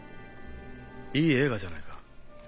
いい映画じゃないか。